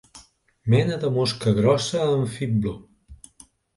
Mena de mosca grossa amb fibló.